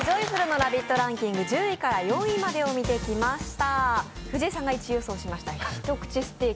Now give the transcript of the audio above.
ランキング１０位から４位までを見てきました。